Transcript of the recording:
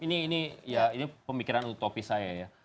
ini ya ini pemikiran utopis saya ya